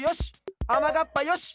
あまがっぱよし！